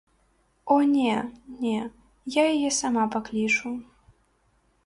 О не, не, я яе сама паклічу.